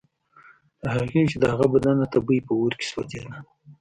تر هغې چې د هغه بدن د تبې په اور کې سوځېده.